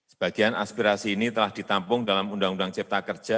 sebagian aspirasi ini telah ditampung dalam undang undang cipta kerja